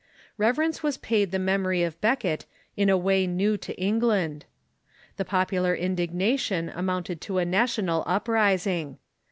Reverence was paid the memory of Becket in a way new to England. The popular indignation amounted to a national uprising.